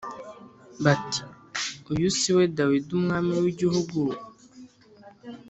bati “Uyu si we Dawidi umwami w’igihugu?